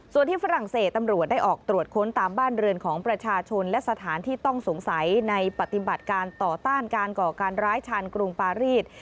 ส่วนที่ฝรั่งเศสตำรวจได้ออกตรวจค้นตามบ้านเรือนของประชาชนและสถานที่ต้องสงสัยในปฏิบัติการต่อต้านการก่อการร้ายชาญกรุงปารีส